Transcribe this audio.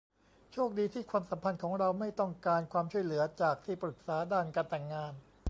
โชคดีที่ความสัมพันธ์ของเราไม่ต้องการความช่วยเหลือจากที่ปรึกษาด้านการแต่งงาน